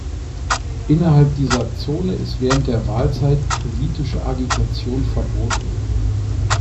Innerhalb dieser Zone ist während der Wahlzeit politische Agitation verboten.